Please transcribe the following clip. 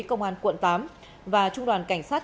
công an quận tám và trung đoàn cảnh sát